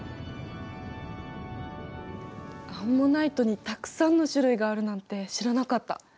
アンモナイトにたくさんの種類があるなんて知らなかった。